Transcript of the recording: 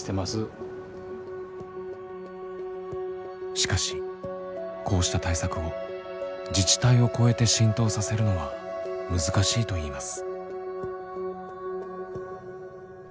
しかしこうした対策を自治体を超えて浸透させるのは難しいといいます。